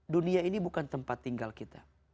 dunia ini bukan tempat tinggal kita